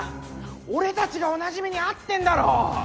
俺たちが同じ目に遭ってんだろ！